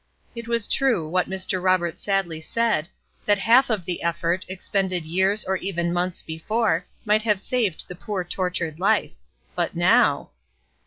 It was true, what Mr. Roberts sadly said, that half of the effort, expended years or even months before, might have saved the poor, tortured life; but now!